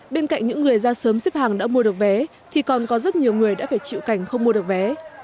bên cạnh những người ra sớm xếp hàng đã mua được vé thì còn có rất nhiều người đã phải chịu cảnh không mua được vé